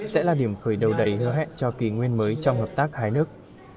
sẽ là điểm khởi đầu đầy hứa hẹn cho kỳ nguyên mới trong hợp tác hai nước